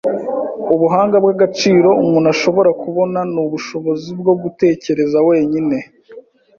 Ubuhanga bwagaciro umuntu ashobora kubona nubushobozi bwo gutekereza wenyine.